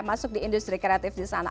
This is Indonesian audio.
masuk di industri kreatif di sana